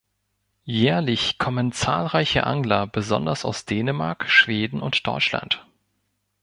Jährlich kommen zahlreiche Angler besonders aus Dänemark, Schweden und Deutschland.